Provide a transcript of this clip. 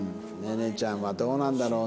音々ちゃんはどうなんだろうな。